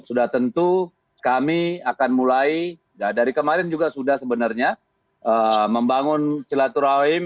sudah tentu kami akan mulai dari kemarin juga sudah sebenarnya membangun silaturahim